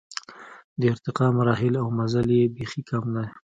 د ارتقا مراحل او مزل یې بېخي کم دی.